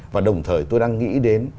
và đồng thời tôi đang nghĩ đến